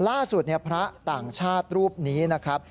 ล่าสุดพระต่างชาติรูปนี้นะครับ